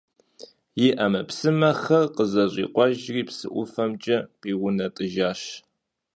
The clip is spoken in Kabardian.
И Ӏэмэпсымэхэр къызэщӀикъуэжри, псы ӀуфэмкӀэ къиунэтӀыжащ.